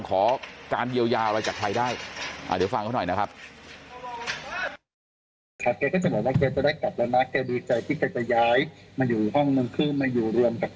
ขอการเยียวยาอะไรจากใครได้เดี๋ยวฟังเขาหน่อยนะครับ